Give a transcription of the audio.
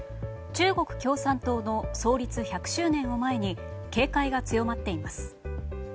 中国共産党の創立１００周年を前に警戒が強まっています。